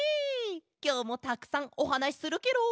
きょうもたくさんおはなしするケロ！